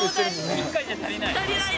１回じゃ足りない？